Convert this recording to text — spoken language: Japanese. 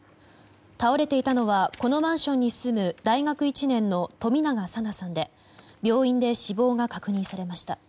倒れていたのはこのマンションに住む大学１年の冨永紗菜さんで病院で死亡が確認されました。